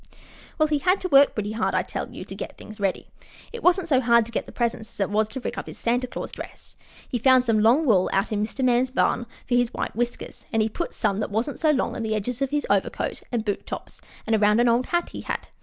Well, he had to work pretty hard, I tell you, to get things ready. It wasn't so hard to get the presents as it was to rig up his Santa Claus dress. He found some long wool out in Mr. Man's barn for his white whiskers, and he put some that wasn't so long on the edges of his overcoat and boot tops and around an old hat he had.